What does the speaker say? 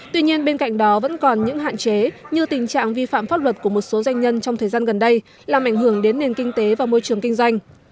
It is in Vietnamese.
tuy nhiên bên cạnh đó vẫn còn những hạn chế như tình trạng vi phạm pháp luật của một số doanh nhân trong thời gian gần đây làm ảnh hưởng đến nền kinh tế và môi trường kinh doanh